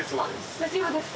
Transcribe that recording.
大丈夫ですか。